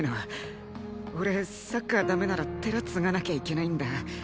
俺サッカー駄目なら寺継がなきゃいけないんだ。